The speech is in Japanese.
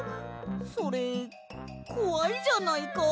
それこわいじゃないか。